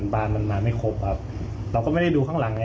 บ้านมันมาไม่ครบครับเราก็ไม่ได้ดูข้างหลังไง